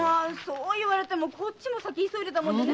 そう言われてもこっちも急いでたもんでね。